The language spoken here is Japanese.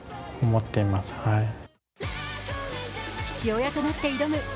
父親となって挑む